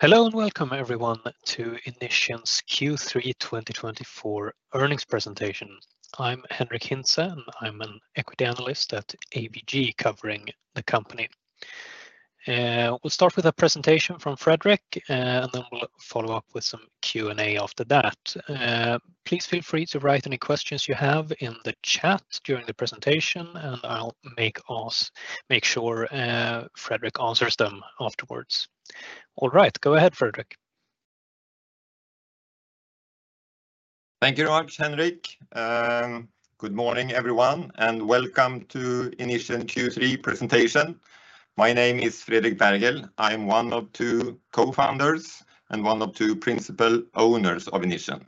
Hello and welcome everyone to Inission's Third Quarter 2024 earnings presentation. I'm Henric Hintze and I'm an equity analyst at ABG covering the company. We'll start with a presentation from Fredrik and then we'll follow up with some Q and A after that. Please feel free to write any questions you have in the chat during the presentation and I'll make sure Fredrik answers them afterwards. All right, go ahead, Fredrik. Thank you very much, Henrik. Good morning everyone and welcome to Inission Third Quarter Presentation. My name is Fredrik Berghel. I'm one of two co-founders and one of two principal owners of Inission,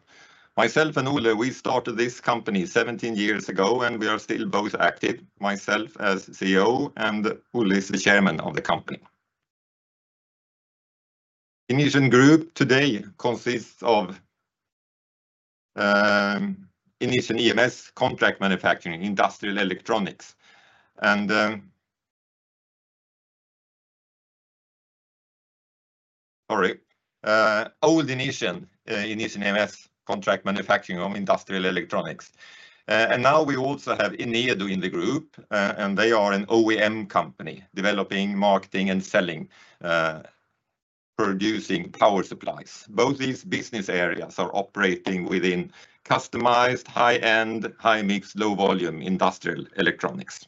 myself and Olle Hulteberg. We started this company 17 years ago and we are still both active. Myself as CEO and who is the chairman of the company. Inission Group today consists of Inission EMS contract manufacturing, industrial electronics and. Sorry, old Inission EMS. Contract manufacturing of industrial electronics. And now we also have Enedo in the group and they are an OEM company developing, marketing and selling producing power supplies. Both these business areas are operating within customized high-end, high mix, low volume industrial electronics.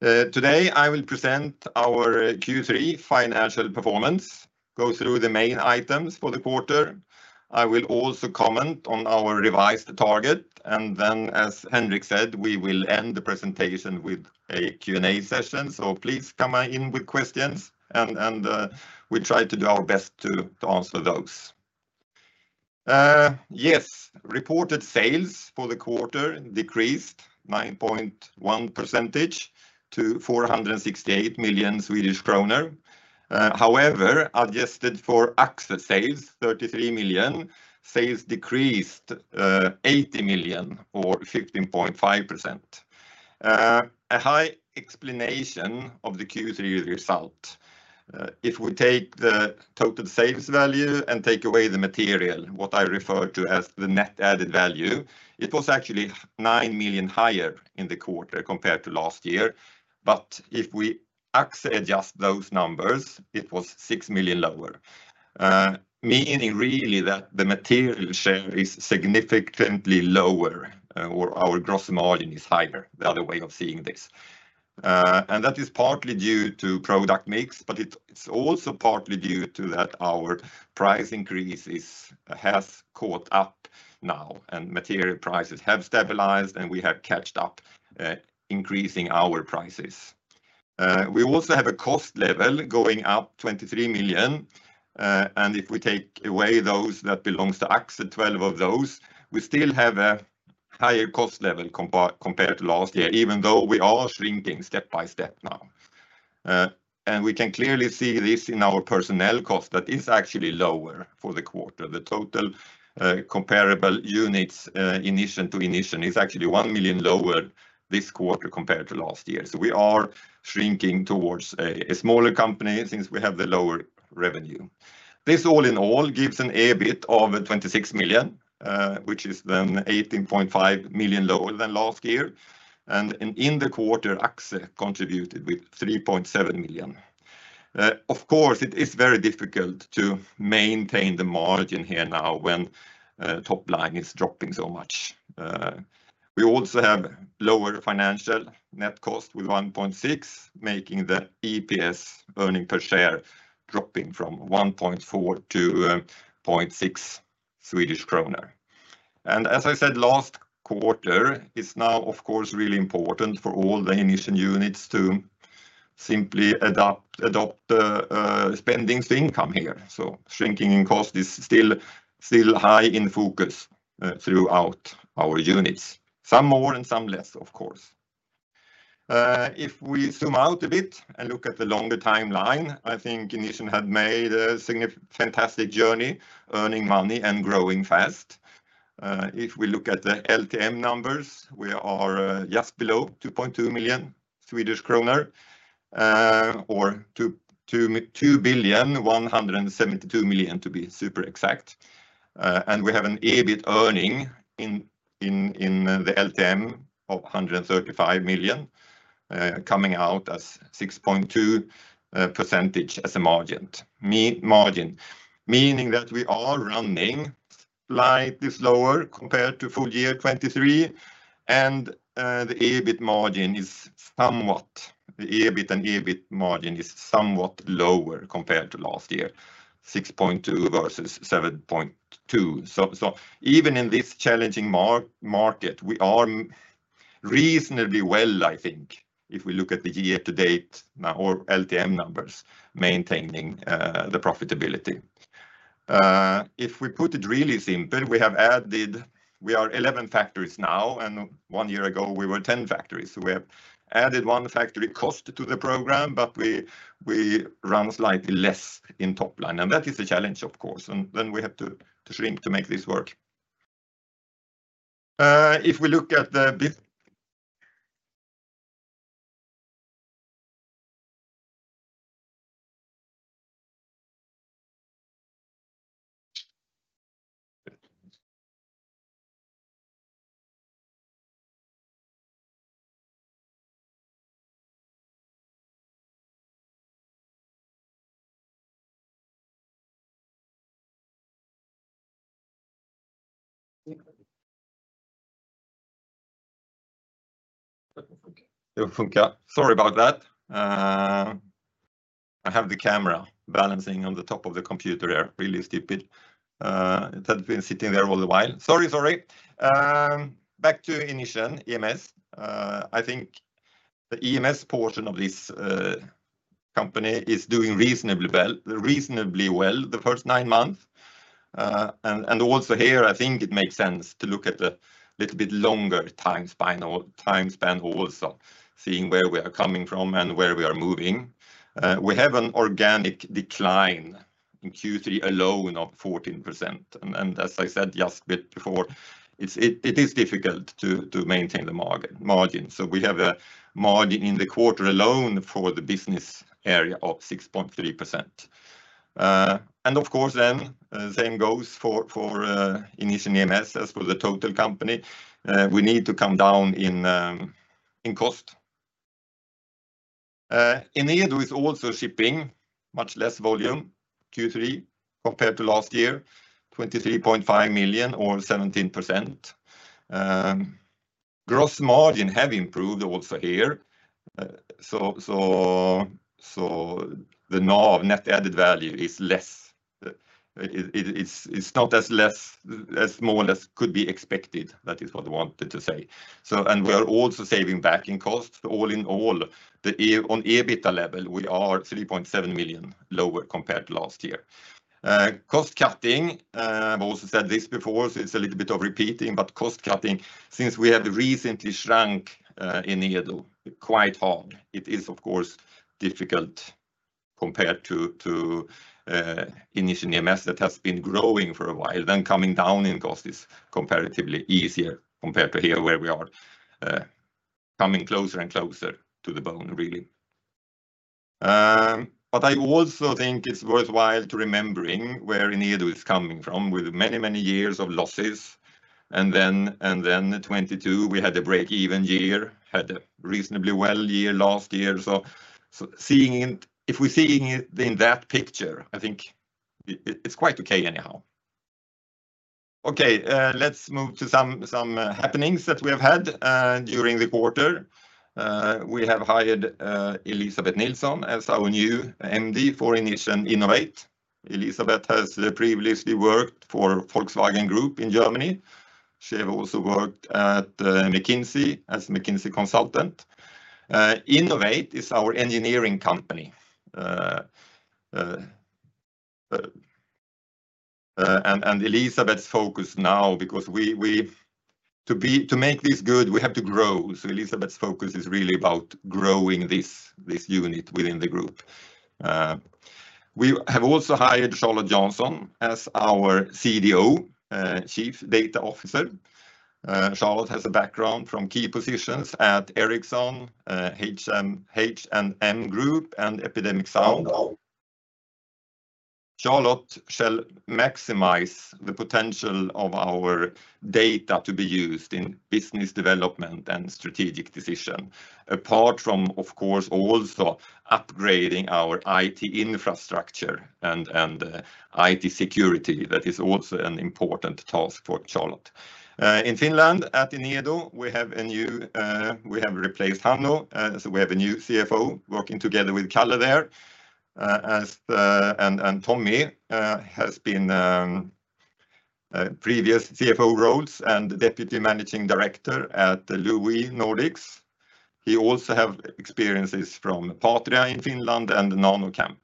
Today I will present our third quarter financial performance, go through the main items for the quarter. I will also comment on our revised target and then as Henrik said, we will end the presentation with a Q&A session. So please come in with questions and we try to do our best to answer those yes. Reported sales for the quarter decreased 9.1% to 468 million Swedish kronor. However, adjusted for AXXE sales 33 million sales decreased 80 million or 15.5%. A high explanation of the third quarter result. If we take the total sales value and take away the material, what I refer to as the net added value, it was actually nine million higher in the quarter compared to last year. But if we AXXE adjust those numbers, it was six million lower. Meaning really that the material share is significantly lower or our gross margin is higher. The other way of seeing this, and that is partly due to product mix, but it's also partly due to that our price increase has caught up now and material prices have stabilized and we have caught up increasing our prices. We also have a cost level going up 23 million. And if we take away those that belong to AXXE, 12 of those, we still have a higher cost level compared to last year, even though we are shrinking step by step now. And we can clearly see this in our personnel cost that is actually lower for the quarter. The total comparable units Inission to Inission is actually one million lower this quarter compared to last year. So we are shrinking towards a smaller company since we have the lower revenue. This all in all gives an EBIT of 26 million, which is then 18.5 million lower than last year, and in the quarter Axxek contributed with 3.7 million. Of course it is very difficult to maintain the margin here now when top line is dropping so much. We also have lower financial net cost of 1.6 million, making the EPS, earnings per share, dropping from 1.4 to 0.6 Swedish kronor, and as I said last quarter is now of course really important for all the Inission units to simply adjust spending and income here, so shrinking costs is still high in focus throughout our units, some more and some less. Of course, if we zoom out a bit and look at the longer timeline, I think Inission had made a significant fantastic journey earning money and growing fast. If we look at the LTM numbers, we are just below 2.2 million Swedish kronor or 2,172,000,000 to be super exact. And we have an EBIT earning in the LTM of 135 million coming out as 6.2% as a margin, meaning that we are running slightly slower compared to full year 2023. And the EBIT margin is somewhat. The EBIT and EBIT margin is somewhat lower compared to last year. 6.2% versus 7.2%. So even in this challenging market we are reasonably well. I think if we look at the year to date now or LTM numbers maintaining the profitability. If we put it really simple, we have added. We are 11 factories now and one year ago we were 10 factories. So we have added one factory cost to the program. We run slightly less in top line and that is a challenge of course. And then we have to shrink to make this work. If we look at the EBIT. Sorry about that. I have the camera balancing on the top of the computer here. Really stupid. It had been sitting there all the while. Sorry. Back to Inission EMS. I think the EMS portion of this company is doing reasonably well. Reasonably well the first nine months. And, and also here I think it makes sense to look at the little bit longer time span also seeing where we are coming from and where we are moving. We have an organic decline in third quarter alone of 14%. And as I said just a bit before, it's. It is difficult to. To maintain the margin. So we have a margin in the quarter alone for the business area of 6.3%. And of course then same goes for Inission for the total company we need to come down in cost. Enedo is also shipping much less volume third quarter compared to last year. 23.5 million or 17% gross margin have improved also here. So the net added value is less. It's not as less as small as could be expected. That is what I wanted to say. And we are also saving backing costs. All in all, on EBITDA level we are 3.7 million lower compared to last year. Cost cutting. I've also said this before, so it's a little bit of repeating, but cost cutting since we have recently shrunk in Enedo quite hard. It is of course difficult compared to Inission EMS that has been growing for a while. Then coming down in cost is comparatively easier compared to here where we are coming closer and closer to the bone really. But I also think it's worthwhile to remembering where Enedo is coming from with many many years of losses. And then 2022 we had a break even year, had a reasonably well year last year. So if we see in that picture, I think it's quite okay anyhow. Okay, let's move to some happenings that we have had during the quarter. We have hired Elisabeth Nilsson as our new MD for Inission Innovate. Elisabeth has previously worked for Volkswagen Group in Germany. She also worked at McKinsey as McKinsey consultant. Innovate is our engineering company. And Elisabeth's focus now because we to be to make this good, we have to grow. So Elisabeth's focus is really about growing this unit within the group. We have also hired Charlotte Johnsson as our CDO Chief Data Officer. Charlotte has a background from key positions at Ericsson, H&M Group, and Epidemic Sound. Charlotte shall maximize the potential of our data to be used in business development and strategic decision. Apart from, of course, also upgrading our IT infrastructure and IT security. That is also an important task for Charlotte in Finland. At Enedo, we have replaced Hannu. So we have a new CFO working together with Kalle there. And Tomi has been previous CFO roles and deputy managing director at LU-VE Nordics. He also have experiences from Patria in Finland and Nanocomp.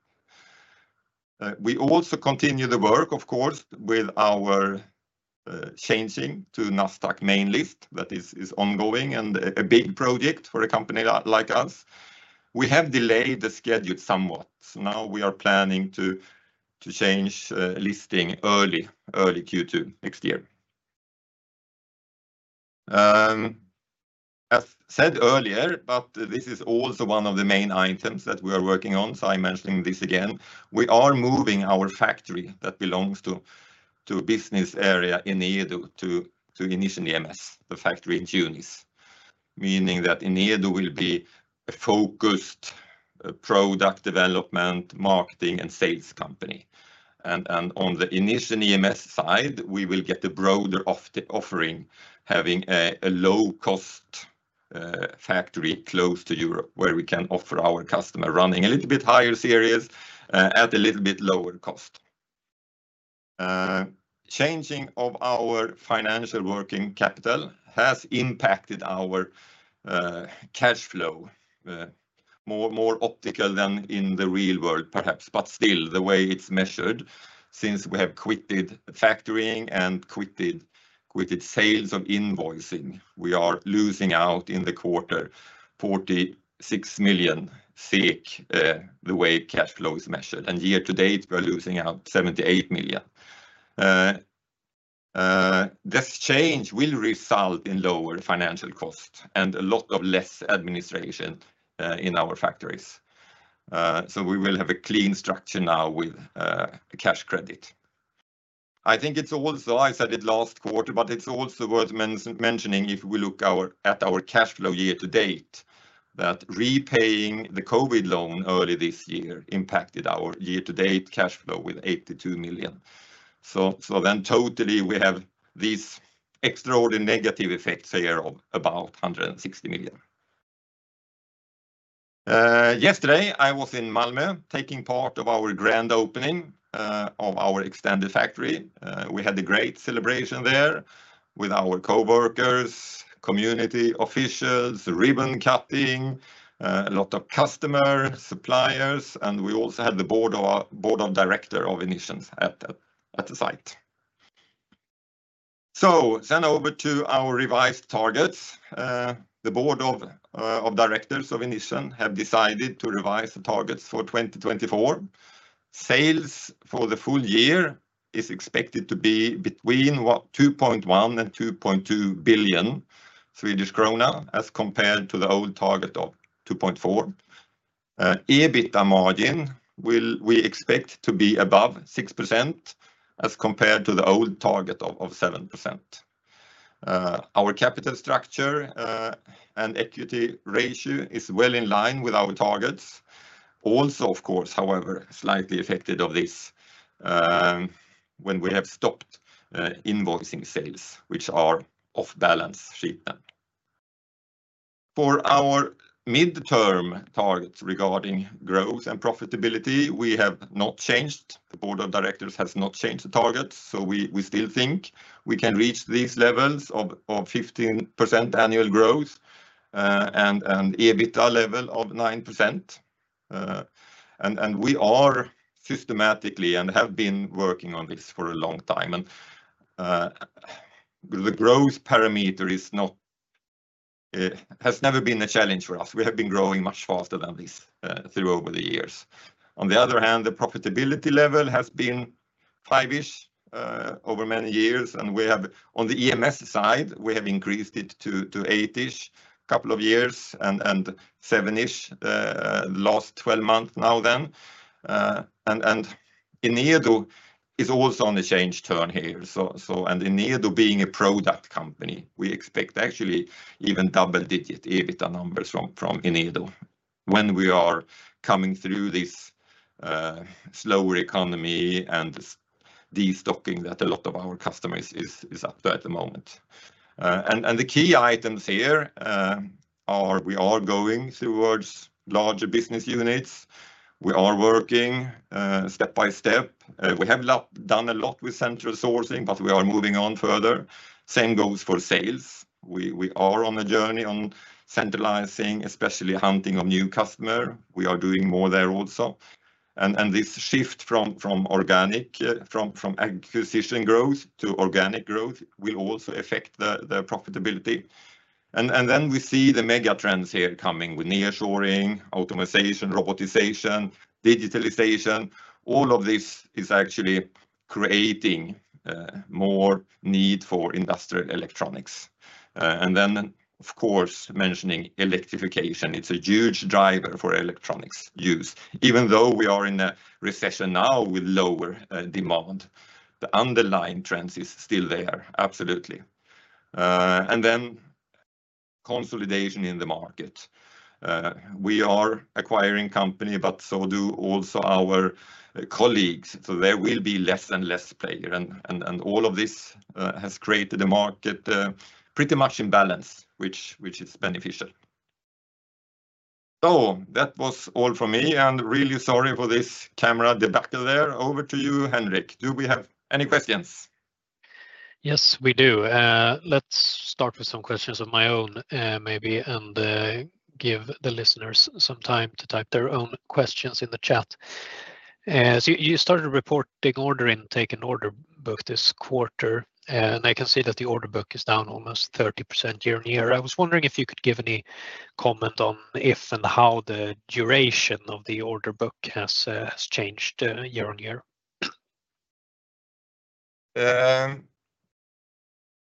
We also continue the work, of course, with our changing to Nasdaq main list that is ongoing and a big project for a company like us. We have delayed the schedule somewhat. Now we are planning to change listing early second quarter next year, as said earlier, but this is also one of the main items that we are working on, so I'm mentioning this again. We are moving our factory that belongs to business area Enedo to Inission EMS. The factory in Tunis, meaning that Enedo will be a focused product development, marketing and sales company. And on the Inission EMS side we will get a broader offering having a low cost factory close to Europe where we can offer our customer running a little bit higher series at a little bit lower cost. Changing of our financial working capital has impacted our cash flow more optically than in the real world perhaps, but still the way it's measured. Since we have quit factoring and quit sales of invoicing, we are losing out in the quarter 46 million the way cash flow is measured, and year to date we're losing out 78 million. This change will result in lower financial costs and a lot less administration in our factories. We will have a clean structure now with cash credit. I think it's also. I said it last quarter, but it's also worth mentioning if we look at our cash flow year to date that repaying the COVID loan early this year impacted our year to date cash flow with 82 million. Then totally we have these extraordinary negative effects here of about SEK 160 million. Yesterday I was in Malmö taking part in our grand opening of our extended factory. We had a great celebration there with our co-workers, community officials, ribbon cutting, a lot of customers, suppliers. We also had the board of directors of Inission at the site, so we sent over to our revised targets. The board of directors of Inission have decided to revise the targets for 2024. Sales for the full year is expected to be between 2.1 billion and 2.2 billion Swedish krona as compared to the old target of 2.4 billion. EBITDA margin we will expect to be above 6% as compared to the old target of 7%. Our capital structure and equity ratio is well in line with our targets. Also of course however slightly affected by this when we have stopped invoicing sales which are off-balance-sheet for our mid-term targets regarding growth and profitability we have not changed. The board of directors has not changed the targets, so we. We still think we can reach these levels of 15% annual growth and EBITDA level of 9%. We are systematically and have been working on this for a long time, and the growth parameter has never been a challenge for us. We have been growing much faster than this throughout the years. On the other hand, the profitability level has been 5% over many years, and we have on the EMS side increased it to 8% a couple of years and 7% last 12 months. Enedo is also on the upturn here. Being a product company, we expect actually even double-digit EBITDA numbers from Enedo when we are coming through this slower economy and destocking that a lot of our customers is up to at the moment. The key items here are we are going towards larger business units. We are working step by step. We have done a lot with central sourcing, but we are moving on further. Same goes for sales. We are on a journey on centralizing, especially hunting of new customer. We are doing more there also. This shift from organic from acquisition growth to organic growth will also affect the profitability. We see the mega trends here coming with nearshoring, automation, robotization, digitalization. All of this is actually creating more need for industrial electronics. Of course mentioning electrification, it's a huge driver for electronics use. Even though we are in a recession now with lower demand, the underlying trends is still there. Absolutely. Consolidation in the market. We are acquiring company, but so do also our colleagues. So there will be less and less players. And all of this has created a market pretty much in balance, which is beneficial. So that was all from me and really sorry for this camera debacle there. Over to you, Henrik. Do we have any questions? Yes, we do. Let's start with some questions of my own maybe and give the listeners some time to type their own questions in the chat. You started a report order intake and order book this quarter and I can see that the order book is down almost 30% year on year. I was wondering if you could give any comment on if and how the duration of the order book has changed year on year.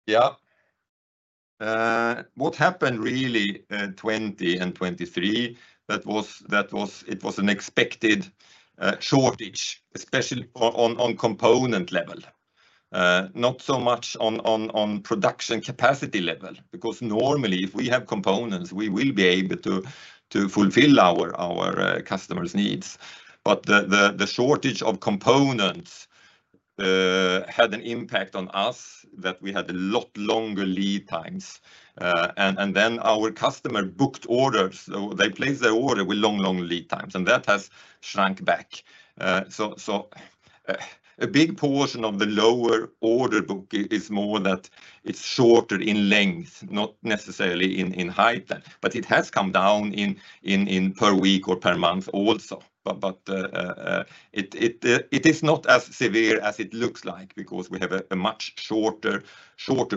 Yeah, what happened really? 2020 and 2023. It was an expected shortage, especially on component level, not so much on production capacity level because normally if we have components we will be able to fulfill our customers' needs. But the shortage of components had an impact on us that we had a lot longer lead times. And then our customer booked orders, they placed their order with long, long lead times and that has shrunk back. So a big portion of the lower order book is more that it's shorter in length, not necessarily in height, but it has come down per week or per month also. But it is not as severe as it looks like because we have a much shorter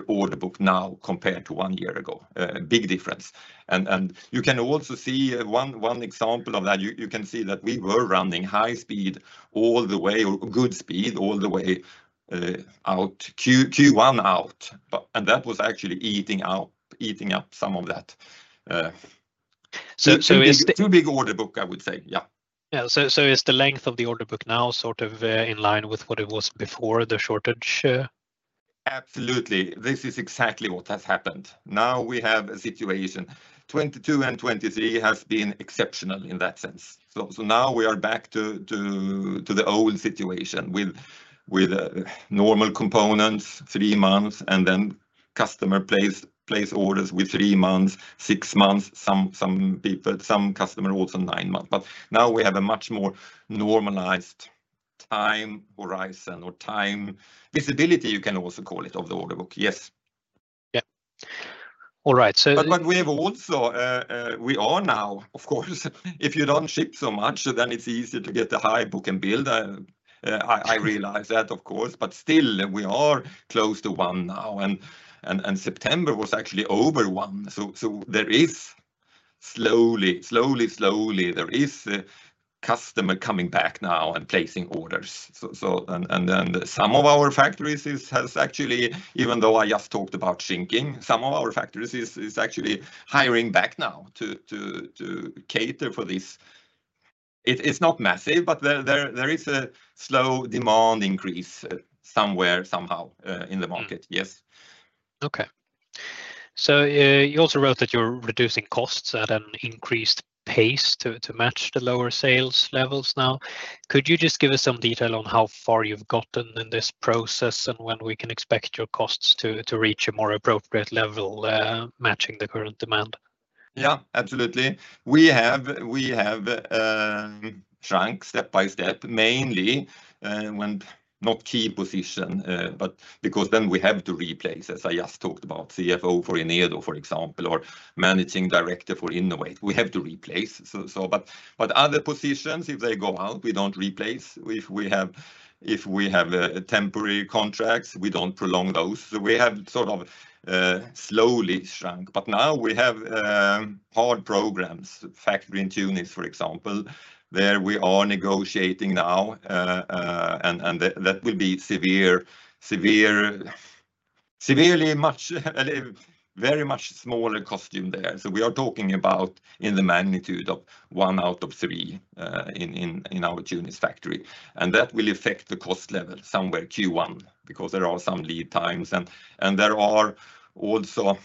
order book now compared to one year ago. A big difference. And you can also see one example of that. You can see that we were running high speed all the way, good speed all the way out first quarter out. And that was actually eating up some of that. So, too big order book, I would say. Yeah, yeah. So, is the length of the order book now sort of in line with what it was before the shortage? Absolutely. This is exactly what has happened. Now we have a situation. 2022 and 2023 have been exceptional in that sense. So now we are back to the old situation with normal components, three months. And then customer place orders with three months, six months, some customer also nine months. But now we have a much more normalized time horizon or time visibility, you can also call it, of the order book. Yes. All right. But we have also. We are now, of course, if you don't ship so much, then it's easier to get the high book-to-bill. I realize that, of course. But still we are close to one now and September was actually over one. So there is slowly, slowly, slowly there is customer coming back now and placing orders. And then some of our factories has actually, even though I just talked about shrinking some of our factories is actually hiring back now to cater for these. It's not massive, but there is a slow demand increase somewhere somehow in the market. Okay. So you also wrote that you're reducing costs at an increased pace to match the lower sales levels. Now could you just give us some detail on how far you've gotten in this process and when we can expect your costs to reach a more appropriate level matching the current demand? Yeah, absolutely. We have shrunk step by step, mainly when not key position, but because then we have to replace, as I just talked about, CFO for Enedo, for example, or Managing Director for Innovate, we have to replace. But other positions, if they go out, we don't replace. If we have temporary contracts, we don't prolong those. So we have sort of slowly shrunk. But now we have hard programs. Factory in Tunis, for example, there we are negotiating now and that will be severely much smaller cost base there. So we are talking about in the magnitude of one out of three in our Tunis factory. And that will affect the cost level somewhere. First quarter, because there are some lead times and there are also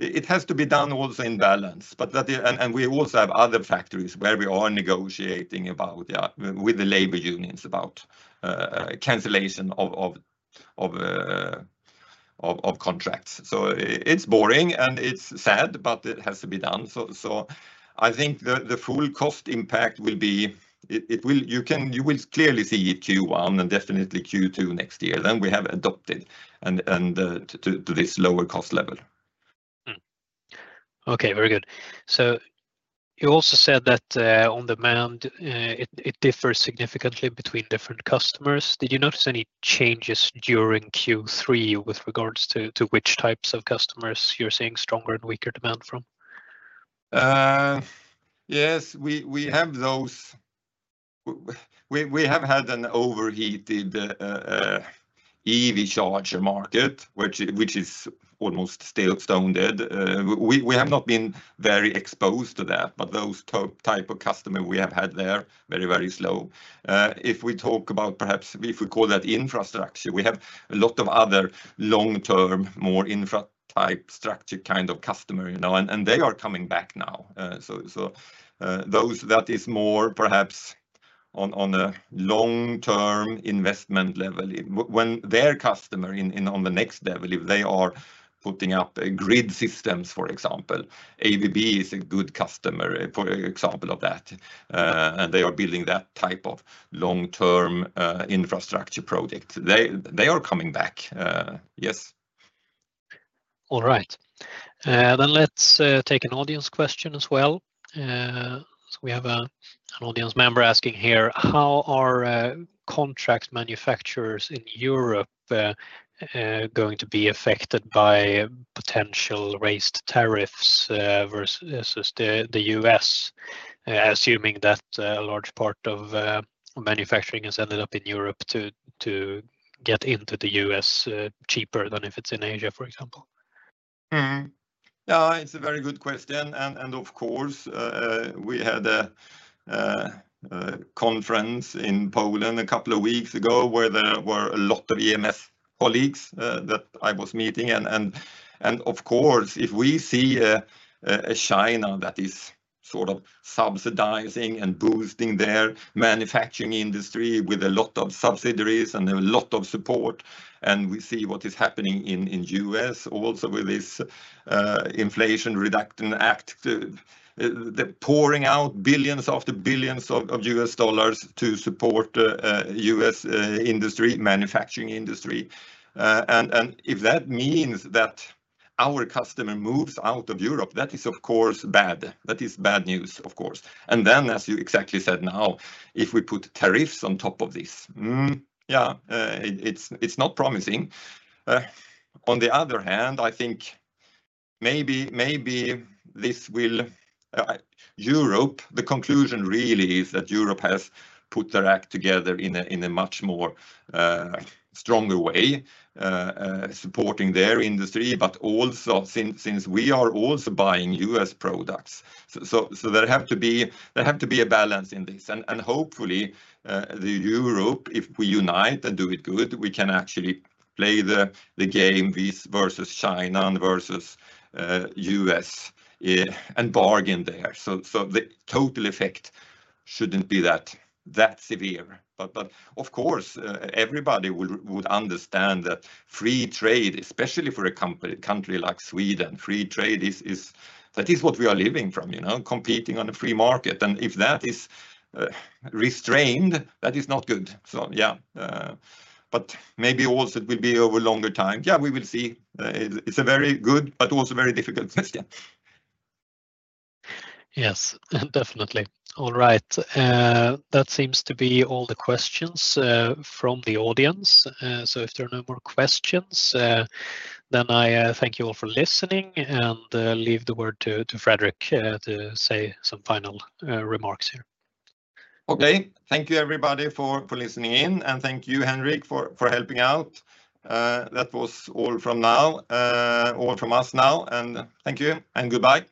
it has to be done also in balance, but that and we also have other factories where we are negotiating about with the labor unions about cancellation of contracts. So it's boring and it's sad, but it has to be done. So I think the full cost impact will be. It will. You can, you will clearly see first quarterand definitely second quarter next year. Then we have adjusted to this lower cost level. Okay, very good. So you also said that on demand it differs significantly between different customers. Did you notice any changes during third quarter with regards to which types of customers you're seeing stronger and weaker demand from? Yes, we have those. We have had an overheated EV charger market which is almost still stone dead. We have not been very exposed to that. But those type of customer we have had there very slow. If we talk about perhaps if we call that infrastructure, we have a lot of other long term more infrastructure type structure kind of customer, you know, and they are coming back now. So those that is more perhaps on a long term investment level when their customer on the next level, if they are putting up grid systems, for example, ABB is a good customer for example of that and they are building that type of long term infrastructure project, they are coming back. Yes. All right then let's take an audience question as well. We have an audience member asking here, how are contract manufacturers in Europe going to be affected by potential raised tariffs versus the U.S. assuming that a large part of manufacturing has ended up in Europe to get into the U.S. cheaper than if it's in Asia, for example? It's a very good question. And of course we had a conference in Poland a couple of weeks ago where there were a lot of EMS colleagues that I was meeting. And of course if we see a China that is sort of subsidizing and boosting their manufacturing industry with a lot of subsidies and a lot of support and we see what is happening in U.S. also with this Inflation Reduction Act pouring out billions after billions of U.S. dollars to support U.S. industry, manufacturing industry. And if that means that our customer moves out of Europe, that is of course bad. That is bad news. Of course. And then as you exactly said now if we put tariffs on top of this. Yeah, it's not promising. On the other hand, I think maybe this will Europe. The conclusion really is that Europe has put their act together in a much more stronger way supporting their industry, but also since we are also buying U.S. products, so there have to be a balance in this and hopefully the Europe, if we unite and do it good, we can actually play the game versus China versus U.S. and bargain there, so the total effect shouldn't be that severe, but of course everybody would understand that free trade, especially for a country like Sweden, free trade is, that is what we are living from, you know, competing on a free market, and if that is restrained, that is not good, yeah, but maybe also it will be over longer time, yeah, we will see. It's a very good, but also very difficult question. Yes, definitely. All right, that seems to be all the questions from the audience. So if there are no more questions, then I thank you all for listening and leave the word to Fredrik to say some final remarks here. Okay, thank you, everybody, for listening in and thank you, Henric, for helping out. That was all from now. All from us now, and thank you and goodbye.